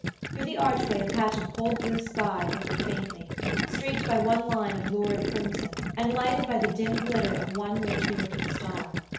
Through the archway a patch of cold blue sky glimmered faintly, streaked by one line of lurid crimson, and lighted by the dim glitter of one wintry looking star.